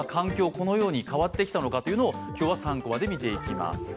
このように変わってきたのかというのを今日は３コマで見ていきます。